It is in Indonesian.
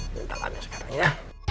minta kakaknya sekarang ya